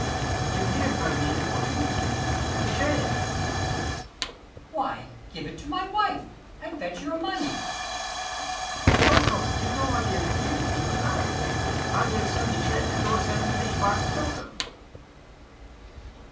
Ang. You hear how he importunes me; the chain! Ant. E. Why, give it to my wife, and fetch your money. Ang. Come, come, you know I gave it you even now. 55 Either send the chain, or send me by some token.